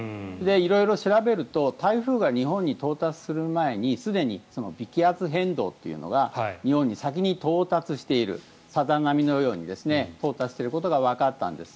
色々調べると台風が日本に到達する前にすでに微気圧変動というのが日本に先に到達しているさざ波のように到達していることがわかったんです。